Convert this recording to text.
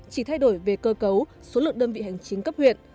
chỉ thay đổi về cơ cấu số lượng đơn vị hành chính cấp huyện